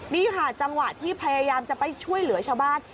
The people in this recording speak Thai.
นี่ค่ะจังหวะที่พยายามจะไปช่วยเหลือชาวบ้าน